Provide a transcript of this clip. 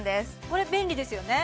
これ便利ですよね